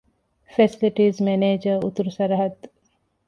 ފެސިލިޓީސް މެނޭޖަރ - އުތުރު ސަރަހައްދު